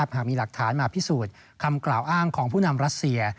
หากมีหลักฐานมาพิสูจน์คำกล่าวอ้างของผู้นำรัสเซีย